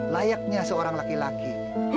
layaknya seorang laki laki